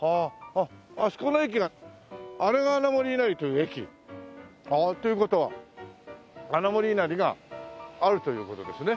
あそこの駅があれが穴守稲荷という駅。という事は穴守稲荷があるという事ですね。